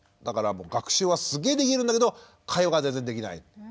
だから学習はすげえできるんだけど会話が全然できない。